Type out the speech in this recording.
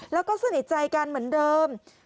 แล้วก็สนิทใจกันเหมือนเดิม